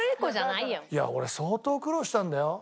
いや俺相当苦労したんだよ。